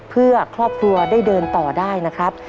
เพื่อครอบครัวได้เดินต่อได้นะครับ